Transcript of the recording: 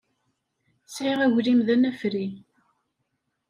Sɛiɣ aglim d anafri.